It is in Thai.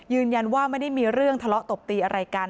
ยืนยันว่าไม่ได้มีเรื่องทะเลาะตบตีอะไรกัน